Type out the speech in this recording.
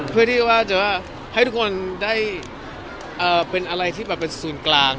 เพื่อที่ว่าจะให้ทุกคนได้เป็นอะไรที่แบบเป็นศูนย์กลาง